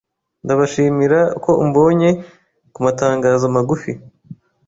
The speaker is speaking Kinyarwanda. Ndabashimira ko umbonye kumatangazo magufi.